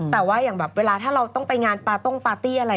แต่ว่าอย่างแบบเวลาถ้าเราต้องไปงานปาต้งปาร์ตี้อะไร